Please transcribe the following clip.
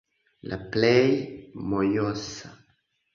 La plej mojosa-